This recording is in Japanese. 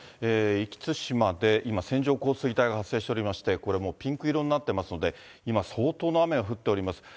壱岐・対馬で今、線状降水帯が発生しておりまして、これもう、ピンク色になっていますので、今、相当の雨が降っております。